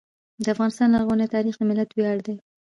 د افغانستان لرغونی تاریخ د ملت ویاړ دی.